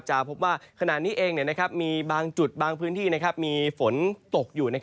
พบว่าขณะนี้เองมีบางจุดบางพื้นที่มีฝนตกอยู่